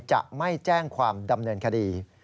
จะไม่แจ้งความดำเนินคดี